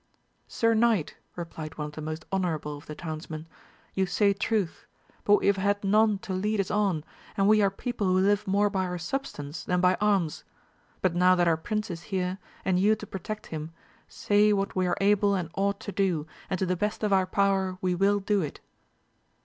Sir Knight, replied one of the most honourable of the townsmen, you say truth ; but we have had none to lead us on, and we are people who live more by our substance than by arms ; but now that our prince is here, and you to protect him, say what we are able and ought to do, and to the best of our power we will do it.